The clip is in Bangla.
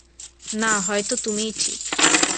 না, হয়ত তুমিই ঠিক।